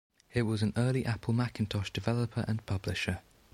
It was an early Apple Macintosh developer and publisher.